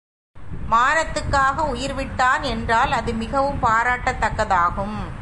மானத்துக்காக உயிர்விட்டான் என்றால் அது மிகவும் பாராட்டத்தக்கதாகும்.